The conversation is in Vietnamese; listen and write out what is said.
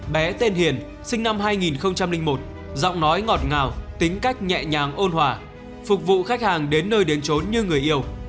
bé tên hiền sinh năm hai nghìn một giọng nói ngọt ngào tính cách nhẹ nhàng ôn hòa phục vụ khách hàng đến nơi đến trốn như người yêu